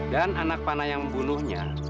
dan anak panah yang membunuhnya